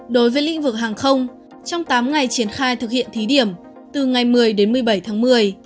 đối với lĩnh vực hàng không trong tám ngày triển khai thực hiện thí điểm từ ngày một mươi đến một mươi bảy tháng một mươi